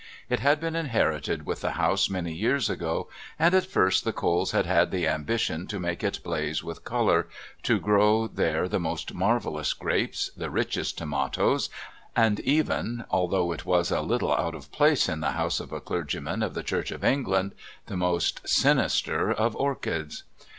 It had been inherited with the house many years ago, and, at first, the Coles had had the ambition to make it blaze with colour, to grow there the most marvellous grapes, the richest tomatoes, and even although it was a little out of place in the house of a clergyman of the Church of England the most sinister of orchids.